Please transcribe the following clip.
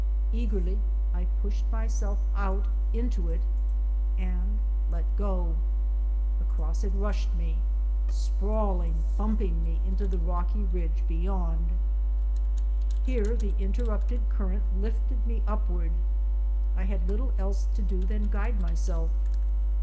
Eagerly I pushed myself out into it and let go. Across it rushed me, sprawling, bumping me into the rocky ridge be WIND RAPIDS ON THE HEIGHTS 89 yond. Here the interrupted current lifted me upward. I had little else to do than guide myself.